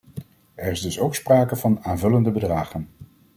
Er is dus ook sprake van aanvullende bedragen.